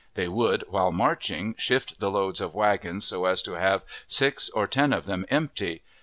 They would, while marching, shift the loads of wagons, so as to have six or ten of them empty.